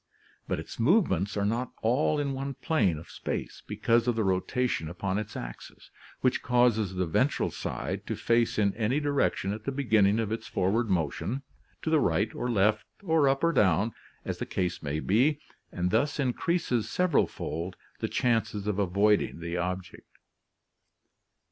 But its movements are not all in one plane of space, because of the rotation upon its axis, which causes the ventral side to face in any direction at the beginning of its forward motion, to the right or left or up or down, as the case may be, and thus increases several fold the chances of avoiding the object.